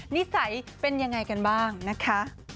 นิสัยเป็นยังไงกันบ้างนะคะ